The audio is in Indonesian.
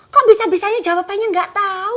kok bisa bisanya jawabannya ga tau